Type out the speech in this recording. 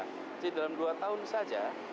jadi dalam dua tahun saja